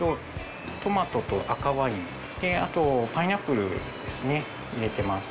トマトと赤ワインあとパイナップルですね入れてます。